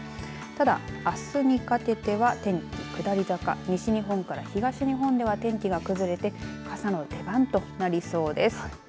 ただ、あすにかけては西日本から東日本では天気が崩れて傘の出番となりそうです。